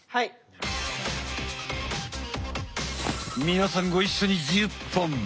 皆さんご一緒に１０本！